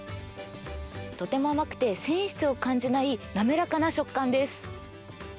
とても甘くて、繊維質を感じない滑らかな食感です。